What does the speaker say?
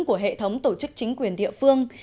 của hệ thống tổ chức chính quyền địa phương